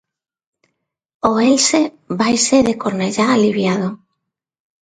O Elxe vaise de Cornellá aliviado.